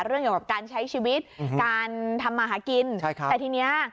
เรื่องเกี่ยวกับการใช้ชีวิตการทำมาหากินใช่ครับแต่ทีนี้